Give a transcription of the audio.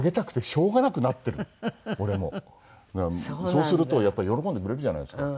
そうするとやっぱり喜んでくれるじゃないですか。